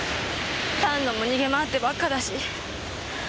丹野も逃げ回ってばっかだし。